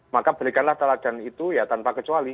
maka berikanlah teladan itu ya tanpa kecuali